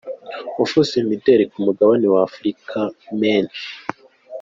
uvuze imideri ku mugabane w’Afurika benshi